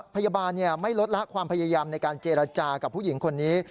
พยาบาลไม่ลดละความพยายามในการเจรจากับผู้หญิงคนนี้